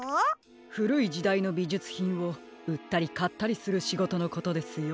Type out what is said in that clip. ふるいじだいのびじゅつひんをうったりかったりするしごとのことですよ。